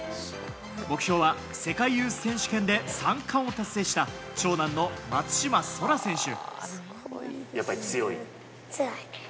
目標は世界ユース選手権で３冠を達成した長男の松島輝空選手。